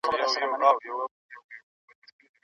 هغه پرون ناوخته راغی او بېرته ولاړی.